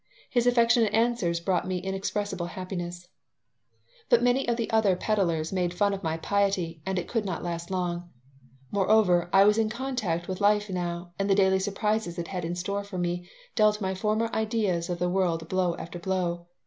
His affectionate answers brought me inexpressible happiness But many of the other peddlers made fun of my piety and it could not last long. Moreover, I was in contact with life now, and the daily surprises it had in store for me dealt my former ideas of the world blow after blow.